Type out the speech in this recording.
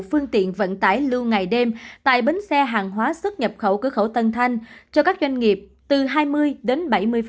phương tiện vận tải lưu ngày đêm tại bến xe hàng hóa xuất nhập khẩu cửa khẩu tân thanh cho các doanh nghiệp từ hai mươi đến bảy mươi